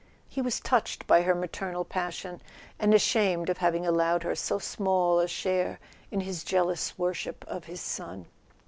He was touched by her maternal passion, and ashamed of having allowed her so small a share in his jealous worship of his son.